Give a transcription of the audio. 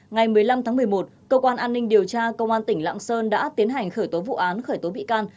ngày một mươi năm tháng một mươi một cơ quan an ninh điều tra công an tỉnh lạng sơn đã tiến hành khởi tố vụ án khởi tố bị can